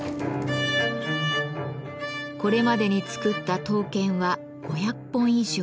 これまでに作った刀剣は５００本以上。